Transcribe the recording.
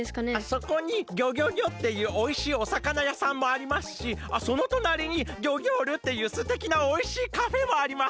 そこに「ギョギョギョ」っていうおいしいおさかなやさんもありますしそのとなりに「ギョギョール」っていうすてきなおいしいカフェもあります。